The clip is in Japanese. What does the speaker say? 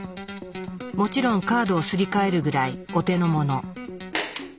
もちろんカードをすり替えるぐらいお手の物。